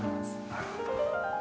なるほど。